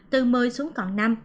từ một mươi xuống còn năm